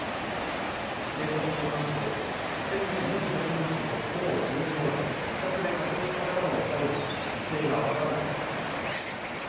警察によりますと先月２９日の午後１０時ごろ自宅で確認されたのを最後に行方が分からなくなっています。